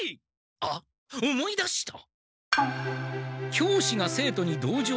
あっ思い出した！